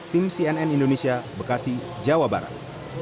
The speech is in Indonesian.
tim cnn indonesia bekasi jawa barat